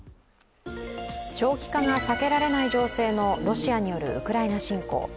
長期化が避けられない情勢のロシアによるウクライナ侵攻。